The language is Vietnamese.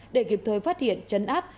để kịp thời phát hiện chấn áp